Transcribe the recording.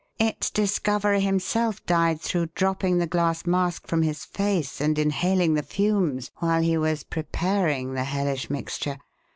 Its discoverer himself died through dropping the glass mask from his face and inhaling the fumes while he was preparing the hellish mixture.